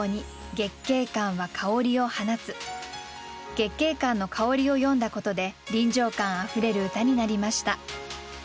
月桂冠の香りを詠んだことで臨場感あふれる歌になりました。